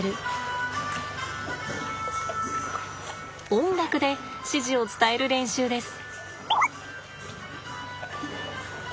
音楽で指示を伝える練習です。